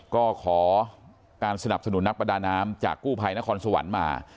ก็ขอการสนับสนุนนักประดาน้ำจากกู้ภัยนครสวรรค์มา